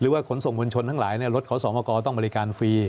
หรือว่าขนส่งวัญชนทั้งหลายรถขาวสอบมากออกต้องบริการฟรี